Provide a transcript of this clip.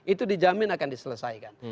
itu dijamin akan diselesaikan